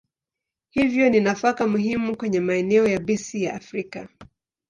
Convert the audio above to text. Hivyo ni nafaka muhimu kwenye maeneo yabisi ya Afrika.